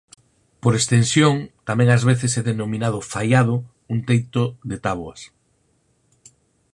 Por extensión tamén ás veces é denominado faiado un teito de táboas.